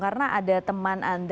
karena ada teman anda